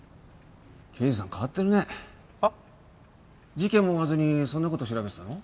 事件も追わずにそんな事を調べてたの？